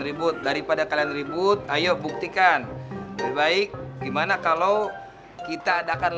ribut daripada kalian ribut ayo buktikan lebih baik gimana kalau kita adakan